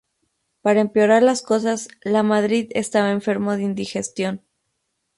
Para empeorar las cosas, Lamadrid estaba enfermo de indigestión.